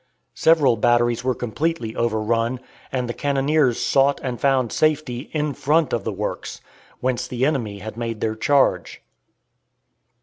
Several batteries were completely overrun, and the cannoniers sought and found safety in front of the works, whence the enemy had made their charge.